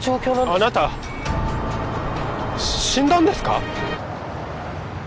あなた死んだんですか？